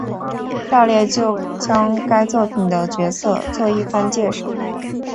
下列就将该作品的角色做一番介绍。